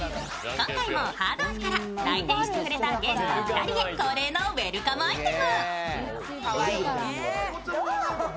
今回もハードオフから、来店してくれたゲストの２人へ恒例のウエルカムアイテム。